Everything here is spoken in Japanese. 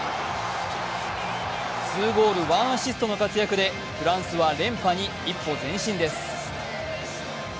ツーゴールワンアシストの活躍でフランスは連覇に一歩前進です。